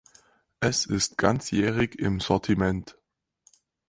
Es ist ganzjährig im Sortiment.